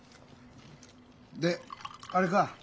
であれか？